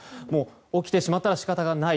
起きてしまったら仕方がない。